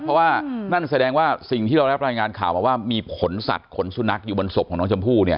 เพราะว่านั่นแสดงว่าสิ่งที่เรารับรายงานข่าวมาว่ามีขนสัตว์ขนสุนัขอยู่บนศพของน้องชมพู่เนี่ย